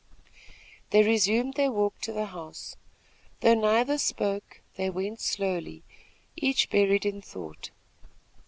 They resumed their walk to the house. Though neither spoke, they went slowly, each buried in thought.